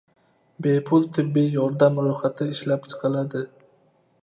Bepul tibbiy yordam ro‘yxati ishlab chiqiladi